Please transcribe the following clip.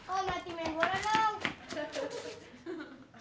om latih main bola dong